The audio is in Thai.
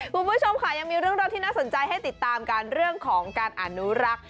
คุณผู้ชมค่ะยังมีเรื่องราวที่น่าสนใจให้ติดตามกันเรื่องของการอนุรักษ์